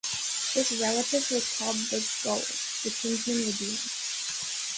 This relative was called the go'el, the "kinsman-redeemer".